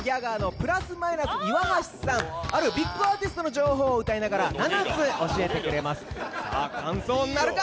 プラス・マイナス岩橋さんあるビッグアーティストの情報を歌いながら７つ教えてくれますさあ完奏なるか？